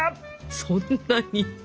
そんなに？